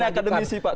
saya di akademisi pak